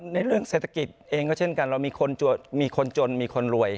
เรื่องเศรษฐกิจเองก็เช่นกันเรามีคนจนมีคนรวย